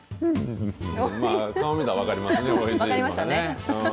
顔見たら分かりますね、おいしいのね。